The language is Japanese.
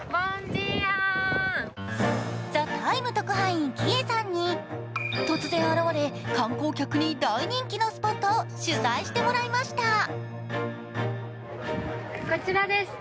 特派員Ｋｉｅさんに突然現れ、観光客に大人気のスポットを取材してもらいました。